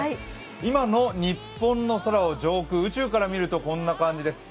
今の日本の空を上空、宇宙から見るとこんな感じです。